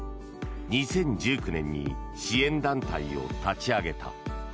２０１９年に支援団体を立ち上げた。